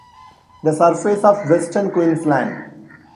The surface of western Queensland.